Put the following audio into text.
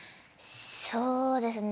そうですね